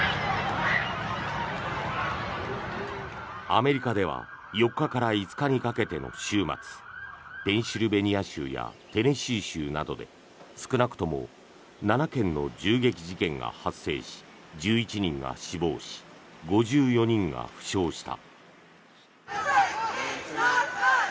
アメリカでは４日から５日にかけての週末ペンシルベニア州やテネシー州などで少なくとも７件の銃撃事件が発生し、１１人が死亡し５４人が負傷した。